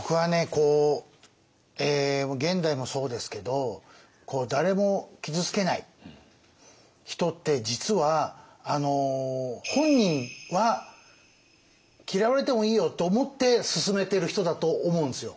こう現代もそうですけど誰も傷つけない人って実は本人は嫌われてもいいよと思って進めてる人だと思うんですよ。